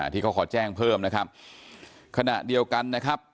ที่เขาขอแจ้งเพิ่มขณะเดียวกัน